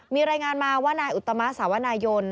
มีรายงานมาว่านายอุตมะสาวนายน